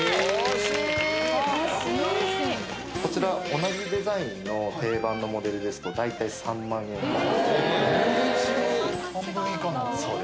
惜しいこちら同じデザインの定番のモデルですと大体３万円全然違う！